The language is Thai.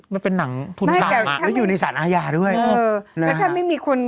มันเป็นหนังน่าจะอยู่ในสถานอาญาด้วยเออนะฮะแล้วถ้าไม่มีคน